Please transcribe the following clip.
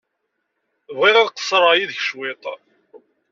Bɣiɣ ad qeṣṣreɣ yid-k cwiṭ.